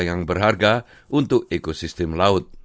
yang berharga untuk ekosistem laut